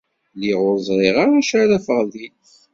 Lliɣ ur ẓriɣ ara d acu ara afeɣ din.